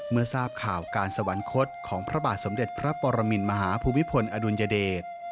เมื่อทราบข่าวการสวรรคตของพระบาทสมเด็จพระปรมินมหาภูมิพลอดุลยเดช